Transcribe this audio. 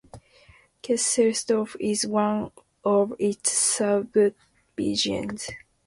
Kesselsdorf is one of its subdivisions.